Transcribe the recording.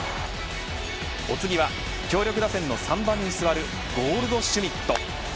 お次は強力打線の３番に座るゴールドシュミット。